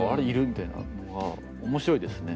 みたいなのは面白いですね。